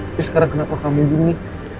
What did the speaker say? tapi sekarang kenapa kamu gini